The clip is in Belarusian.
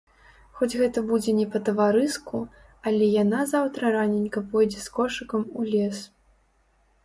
Хоць гэта будзе не па-таварыску, але яна заўтра раненька пойдзе з кошыкам у лес.